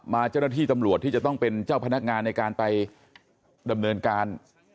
เจ้าหน้าที่ตำรวจที่จะต้องเป็นเจ้าพนักงานในการไปดำเนินการ